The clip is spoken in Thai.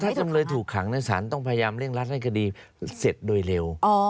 ถ้าจำเลยถูกขังสารต้องพยายามเร่งรัดให้คดีเสร็จโดยเร็ว